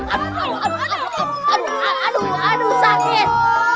aduh aduh aduh sakit